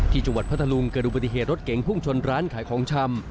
ที่จังหวัดพัทหลวงเกิดอุบัติเหตุรถเก็งพุ่งชนร้านขายของชำ